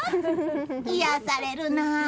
癒やされるなあ。